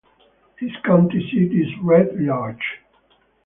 Its county seat is Red Lodge.